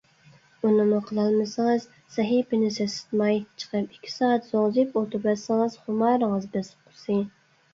ئۇنىمۇ قىلالمىسىڭىز سەھىپىنى سېسىتماي چىقىپ ئىككى سائەت زوڭزىيىپ ئولتۇرۇۋەتسىڭىز خۇمارىڭىز بېسىققۇسى.